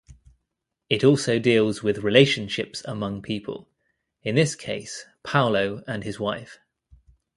It also deals with relationships among people, in this case, Paulo and his wife.